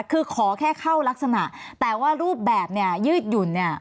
คือขอแค่เข้ารักษณะแต่ว่ารูปแบบเนี่ยยืดหยุ่นเนี่ย